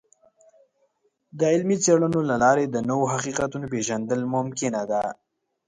د علمي څیړنو له لارې د نوو حقیقتونو پیژندل ممکنه ده.